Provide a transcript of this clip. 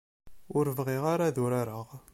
Ur bɣiɣ ara ad urareɣ.